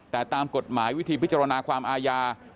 แต่ตามกฎหมายวิธีพิจารณาความอาญา